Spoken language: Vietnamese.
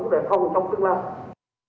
và cũng để phòng trong tương lai